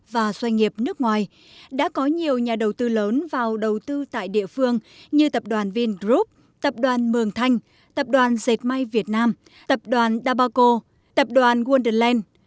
và doanh nghiệp nước ngoài đã có nhiều nhà đầu tư lớn vào đầu tư tại địa phương như tập đoàn vingroup tập đoàn mường thanh tập đoàn dệt may việt nam tập đoàn dabaco tập đoàn wondoland